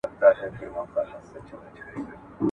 زه به ستا لپاره د کابل یو ځانګړی شال ډالۍ کړم.